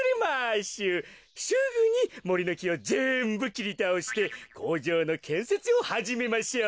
すぐにもりのきをぜんぶきりたおしてこうじょうのけんせつをはじめましょう。